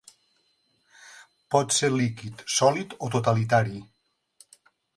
Pot ser líquid, sòlid o totalitari.